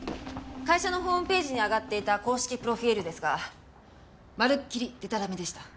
会社のホームページに上がっていた公式プロフィールですがまるっきりでたらめでした。